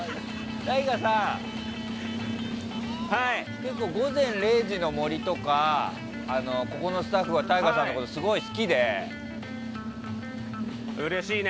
結構「午前０時の森」とかここのスタッフはＴＡＩＧＡさんのことうれしいね。